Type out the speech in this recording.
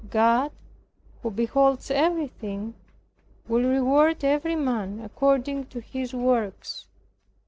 God, who beholds everything, will reward every man according to his works.